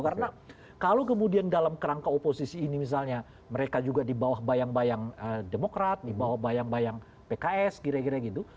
karena kalau kemudian dalam kerangka oposisi ini misalnya mereka juga di bawah bayang bayang demokrat di bawah bayang bayang pks gira gira gitu